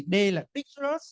d là tickless